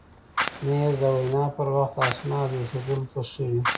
مېز د وینا پر وخت اسنادو ایښودلو ته ښه وي.